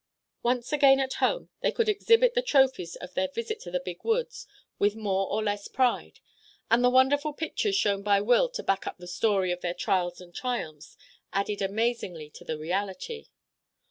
Once again at home, they could exhibit the trophies of their visit to the Big Woods with more or less pride and the wonderful pictures shown by Will to back up the story of their trials and triumphs added amazingly to the reality.